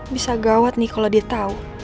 bisa gawat nih kalau dia tahu